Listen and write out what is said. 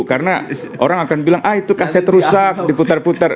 karena orang akan bilang ah itu kaset rusak diputar putar